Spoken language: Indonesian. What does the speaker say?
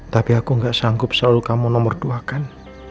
tapi aku gak sanggup selalu kamu nomor dua kan